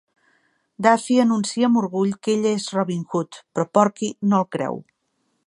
Daffy anuncia amb orgull que ell és Robin Hood, però Porky no el creu.